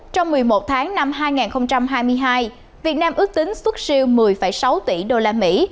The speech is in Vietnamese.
trong một mươi một tháng năm hai nghìn hai mươi hai việt nam ước tính xuất siêu một mươi sáu tỷ đô la mỹ